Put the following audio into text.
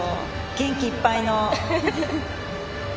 元気いっぱいの。